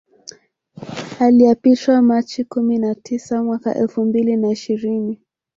Aliapishwa Machi kumi na tisa mwaka elfu mbili na ishirini